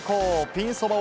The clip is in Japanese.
ピンそば